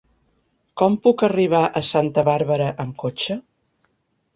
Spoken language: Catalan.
Com puc arribar a Santa Bàrbara amb cotxe?